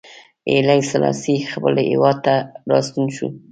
هیلي سلاسي خپل هېواد ته راستون شو.